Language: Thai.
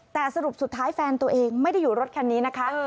แต่สรุปสุดท้ายแฟนตัวเองไม่ได้อยู่รถคันนี้นะคะ